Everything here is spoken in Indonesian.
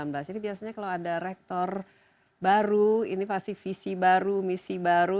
jadi biasanya kalau ada rektor baru ini pasti visi baru misi baru